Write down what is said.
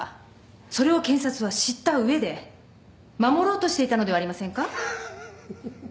それを検察は知った上で守ろうとしていたのではありませんか。